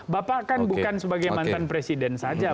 bapak kan bukan sebagai mantan presiden saja